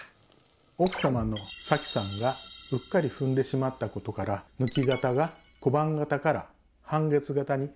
奥様のさきさんがうっかり踏んでしまったことから抜き型が小判形から半月形になってしまったんです。